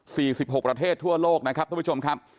สิบหกประเทศทั่วโลกนะครับท่านผู้ชมครับ